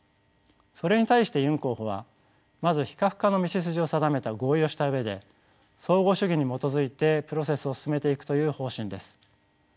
それに対してユン候補はまず非核化の道筋を定めた合意をした上で相互主義に基づいてプロセスを進めていくという方針です。